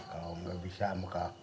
kalau tidak bisa emak